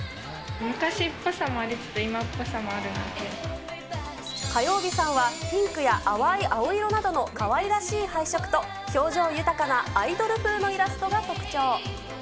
昔っぽさもありつつ、今っぽさも火曜びさんは、ピンクや淡い青色などのかわいらしい配色と表情豊かなアイドル風のイラストが特徴。